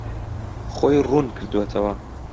خۆی ڕوون کردووەتەوە.